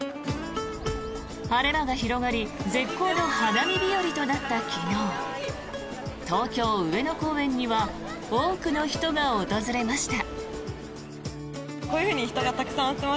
晴れ間が広がり絶好の花見日和となった昨日東京・上野公園には多くの人が訪れました。